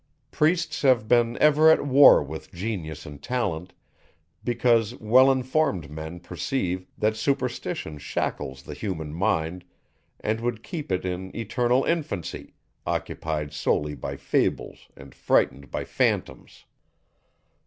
Priests have been ever at war with genius and talent, because well informed men perceive, that superstition shackles the human mind, and would keep it in eternal infancy, occupied solely by fables and frightened by phantoms.